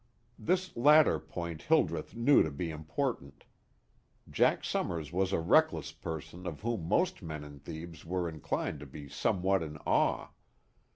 This latter point Hildreth knew to be important. Jack Summers was a reckless person of whom most men in Thebes were inclined to be somewhat in awe.